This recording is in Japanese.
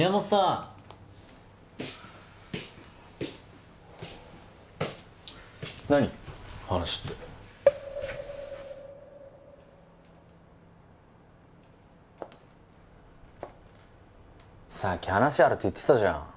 さっき話あるって言ってたじゃん